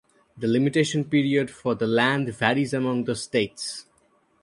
The limitation period for the land varies among the states.